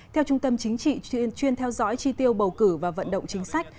theo trung tâm chính trị chuyên theo dõi chi tiêu bầu cử và vận động chính sách